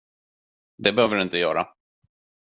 Det behöver du inte göra.